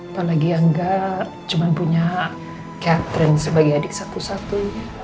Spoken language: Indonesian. apalagi yang nggak cuman punya catherine sebagai adik satu satu